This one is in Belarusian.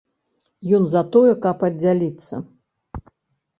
Ён за тое, каб аддзяліцца!